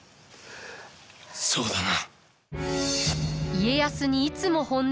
そうだな。